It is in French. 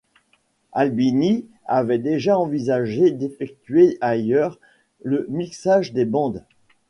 Albini avait déjà envisagé d'effectuer ailleurs le mixage des bandes.